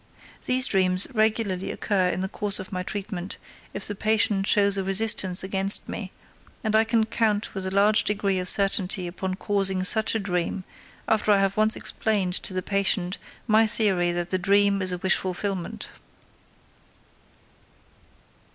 These dreams regularly occur in the course of my treatment if the patient shows a resistance against me, and I can count with a large degree of certainty upon causing such a dream after I have once explained to the patient my theory that the dream is a wish fulfillment.